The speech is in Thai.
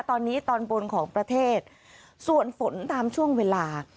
ตอนนี้ตอนบนของประเทศส่วนฝนตามช่วงเวลา